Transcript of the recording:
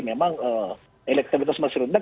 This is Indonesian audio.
memang elektronitas masih rendah